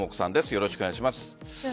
よろしくお願いします。